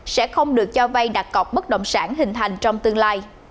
sẽ không được cho vay đặt cọc bất động sản hình thành trong tương lai